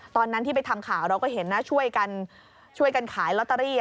ตอนนั้นที่ไปทำข่าวเราก็เห็นนะช่วยกันช่วยกันขายลอตเตอรี่